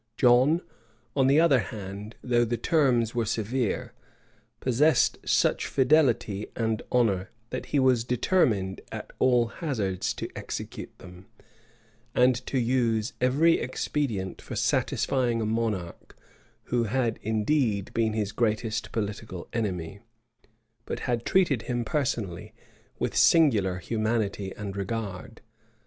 John, on the other hand, though the terms were severe, possessed such fidelity and honor, that he was determined at all hazards to execute them, and to use every expedient for satisfying a monarch who had indeed been his greatest political enemy, but had treated him personally with singular humanity and regard.